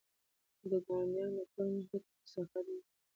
د ګاونډیانو د کور مخې ته د کثافاتو مه غورځوئ.